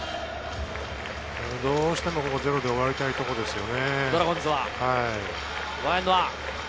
どうしてもここ、ゼロで終わりたいところですよね。